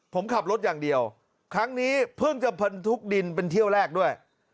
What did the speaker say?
ผมขับรถอย่างเดียวครั้งนี้เพิ่งจะบรรทุกดินเป็นเที่ยวแรกด้วย